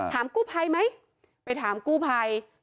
ถามกู้ไพรไหมไปถามกู้ไพร